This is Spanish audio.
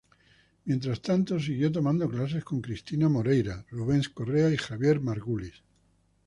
Mientras tanto siguió tomando clases con Cristina Moreira, Rubens Correa y Javier Margulis.